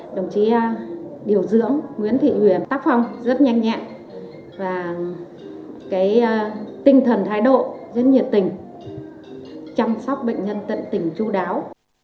đồng chí điều dưỡng nguyễn thị huyền tác phong rất nhanh nhẹn và tinh thần thái độ rất nhiệt tình chăm sóc bệnh nhân tận tình chú đáo